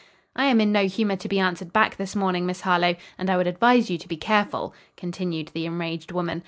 "I am in no humor to be answered back this morning, Miss Harlowe, and I would advise you to be careful," continued the enraged woman.